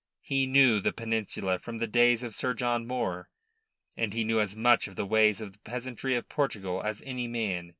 He knew the Peninsula from the days of Sir John Moore, and he knew as much of the ways of the peasantry of Portugal as any man.